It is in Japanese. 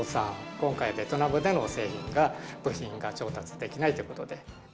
今回、ベトナムでの製品が部品が調達できないということで。